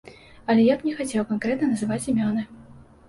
Але я б не хацеў канкрэтна называць імёны.